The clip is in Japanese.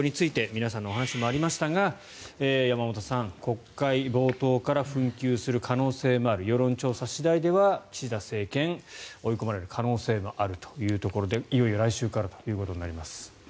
皆さんのお話にもありましたが山本さん国会冒頭から紛糾する可能性もある世論調査次第では岸田政権、追い込まれる可能性もあるということでいよいよ来週からということになります。